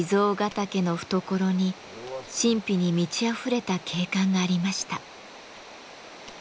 岳の懐に神秘に満ちあふれた景観がありました。